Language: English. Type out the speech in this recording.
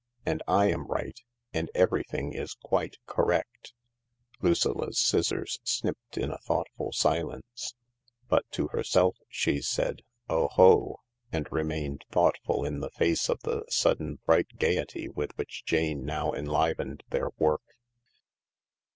And I am right. And everything is quite correct." Lucilla's scissors snipped in a thoughtful silence. But to herself she said, " Oho !" and remained thoughtful in the face of the sudden bright gaiety with which Jane now enlivened their work.